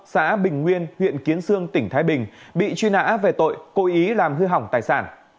xã bình nguyên huyện kiến sương tỉnh thái bình bị truy nã về tội cố ý làm hư hỏng tài sản